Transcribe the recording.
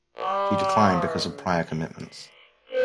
She declined because of prior commitments.